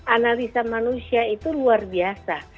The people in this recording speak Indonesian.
analisa manusia itu luar biasa